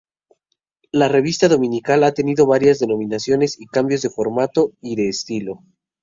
La revista dominical ha tenido varias denominaciones y cambios de formato y de estilo.